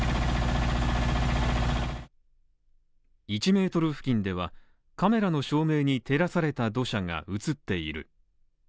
１ｍ付近では、カメラの照明に照らされた土砂が映っている。